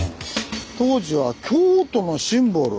「東寺は京都のシンボル⁉」。